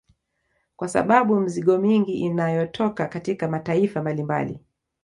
Kwa sababu mizigo mingi inayotoka katika mataifa mbalimbali